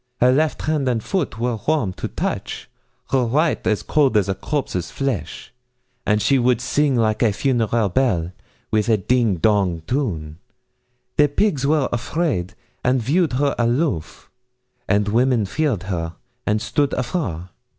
Her left hand and foot were warm to touch; Her right as cold as a corpse's flesh! And she would sing like a funeral bell, with a ding dong tune. The pigs were afraid, and viewed her aloof; And women feared her and stood afar.